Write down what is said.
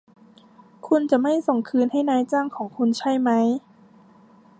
คุณจะไม่ส่งคืนให้นายจ้างของคุณใช่ไหม